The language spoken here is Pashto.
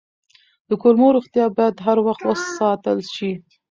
د کولمو روغتیا باید هر وخت وساتل شي.